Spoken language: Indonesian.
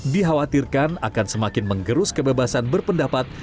dikhawatirkan akan semakin menggerus ke pemerintah